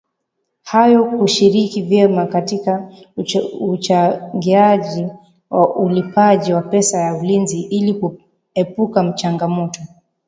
hayo kushiriki vyema katika uchangiaji wa ulipaji wa pesa ya ulinzi ili kuepuka changamoto